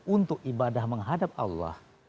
untuk ibadah menghadap allah